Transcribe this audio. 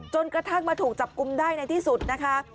จนกระทั่งมาถูกจับกุมได้ในที่สุดนะคะ